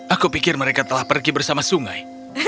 aku pikir mereka telah pergi bersama sungai